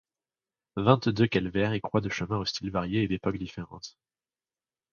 Vingt-deux calvaires et croix de chemins aux styles variés et d'époques différentes.